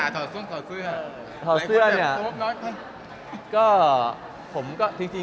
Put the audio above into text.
ตอนคงเช็ดขอบคุณครับ